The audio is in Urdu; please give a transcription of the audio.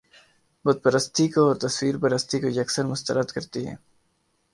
بت پرستی کو اور تصویر پرستی کو یک سر مسترد کرتی ہے